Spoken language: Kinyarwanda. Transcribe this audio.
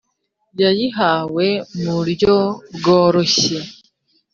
yayihawe mu buryo bworoshye